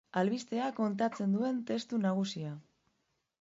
Albistea kontatzen duen testu nagusia.